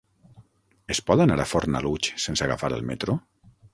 Es pot anar a Fornalutx sense agafar el metro?